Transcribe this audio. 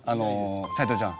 斎藤ちゃん。